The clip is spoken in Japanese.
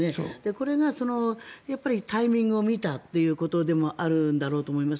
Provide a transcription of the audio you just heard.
これがタイミングを見たということでもあるんだろうと思います。